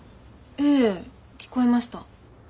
ええ聞こえました。